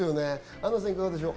アンナさん、いかがでしょう？